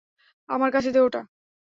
আমার কাছে দে ওটা।